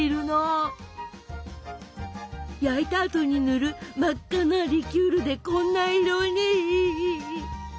焼いたあとに塗る真っ赤なリキュールでこんな色に！